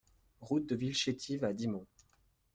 Route de Villechétive à Dixmont